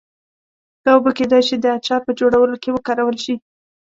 دا اوبه کېدای شي د اچار په جوړولو کې وکارول شي.